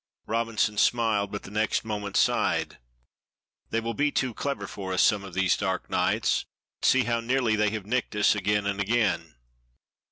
Robinson smiled, but the next moment sighed. "They will be too clever for us some of these dark nights see how nearly they have nicked us again and again!"